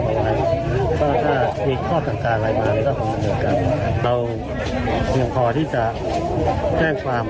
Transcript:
เอาไว้ถ้ามีข้อสังการอะไรมาก็ขอบคุณกันครับเรายังพอที่จะแจ้งความ